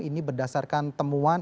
ini berdasarkan temuan